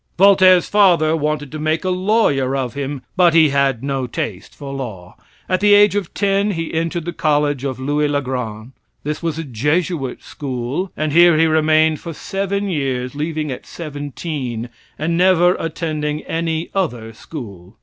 Voltaire's father wanted to make a lawyer of him, but he had no taste for law. At the age of 10 he entered the college of Louis le Grand. This was a Jesuit school, and here he remained for seven years, leaving at 17, and never attending any other school.